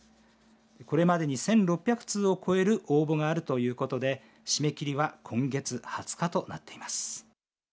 これまでに１６００通を超える応募があるということで、締め切りは今月２０日となっています。